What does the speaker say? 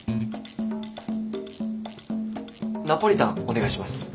ナポリタンお願いします。